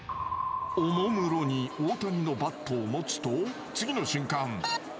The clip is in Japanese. おもむろに大谷のバットを持つと次の瞬間！